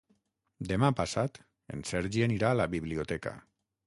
Demà passat en Sergi anirà a la biblioteca.